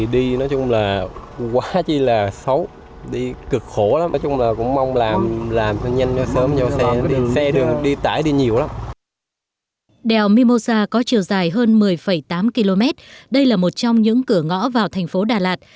đèo mimosa có chiều dài hơn một mươi tám km đây là một trong những cửa ngõ vào thành phố đà lạt